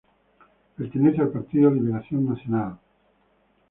Pertenece al Partido Liberación Nacional.